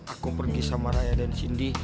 aku pergi sama raya dan cindy